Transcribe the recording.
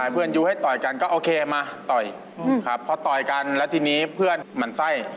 เพราะต่อยกันแล้วทีนี้เพื่อนหมั่นไส้